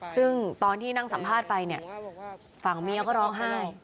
ซึ่งตอนที่นั่งสัมภาษณ์ไปเนี่ยฝั่งเมียก็ร้องไห้